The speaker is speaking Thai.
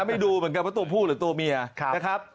ไม่รู้เหมือนกันว่าตัวผู้หรือตัวเมียนะครับ